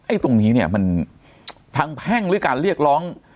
ตรงนี้เนี่ยมันทางแพ่งหรือการเรียกร้อง